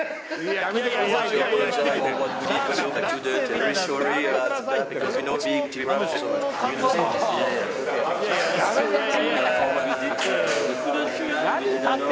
やめてくださいって。